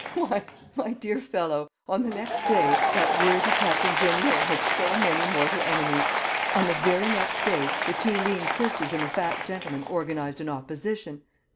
Why, my dear fellow, on the next day, that worthy Captain Jeanniot had so many mortal enemies! On the very next day, the two lean sisters and the fat gentleman organized an opposition.